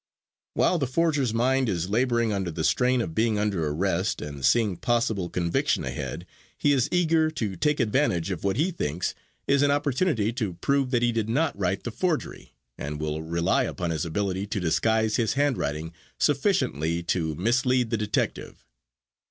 While the forger's mind is laboring under the strain of being under arrest, and seeing possible conviction ahead, he is eager to take advantage of what he thinks is an opportunity to prove that he did not write the forgery and will rely upon his ability to disguise his handwriting sufficiently to mislead the detective.